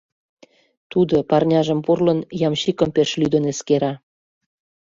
Тудо, парняжым пурлын, ямщикым пеш лӱдын эскера.